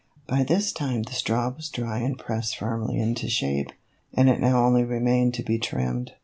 By this time the straw was dry and pressed firmly into shape, and it now only remained to be trimmed.